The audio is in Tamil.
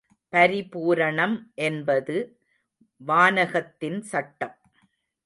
பரிபூரணம் என்பது வானகத்தின் சட்டம்.